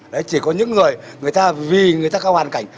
đấy chỉ có những người người ta vì người ta có hoàn cảnh